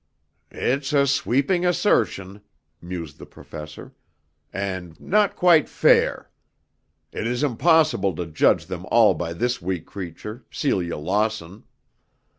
"It's a sweeping assertion," mused the Professor, "and not quite fair. It is impossible to judge them all by this weak creature, Celia Lawson.